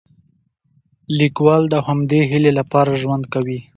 لیکوال د همدې هیلې لپاره ژوند کوي.